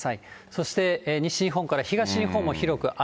そして西日本から東日本も広く雨。